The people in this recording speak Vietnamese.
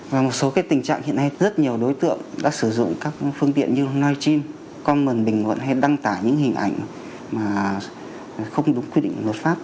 vào một số cái tình trạng hiện nay rất nhiều đối tượng đã sử dụng các phương tiện như live stream comment bình luận hay đăng tả những hình ảnh mà không đúng quy định luật pháp